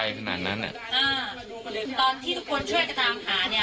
ตอนที่ทุกคนช่วยกันตามหาผู้ต้องหา๒คนนี้ไปช่วยไหม